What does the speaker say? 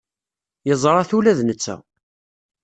Yeẓra-t ula d netta.